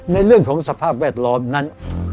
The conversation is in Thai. ในเรื่องของสภาพแวดล้อมนั้น